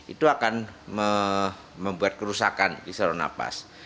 itu akan membuat kerusakan di seluruh nafas